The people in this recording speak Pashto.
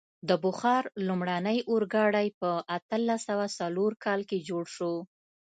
د بخار لومړنی اورګاډی په اتلس سوه څلور کال کې جوړ شو.